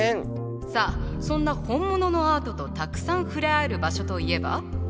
さあそんな本物のアートとたくさん触れ合える場所といえば？